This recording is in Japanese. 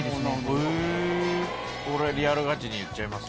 リアルガチに言っちゃいますよ。